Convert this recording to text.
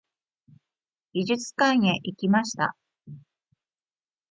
美術館へ行きました。